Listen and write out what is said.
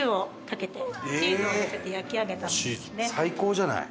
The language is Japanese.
伊達：最高じゃない？